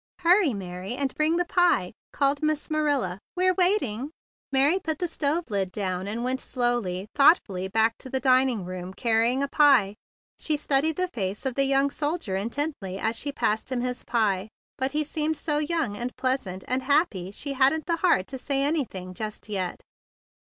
"Hurry, Mary, and bring the pie," called Miss Marilla. "We're waiting." Mary put the stove lid down, and went slowly, thoughtfully back to the dining room bearing a pie. She studied the face of the young soldier intently as she passed him his pie, but he seemed so young and pleasant and happy she hadn't the heart to say anything just yet.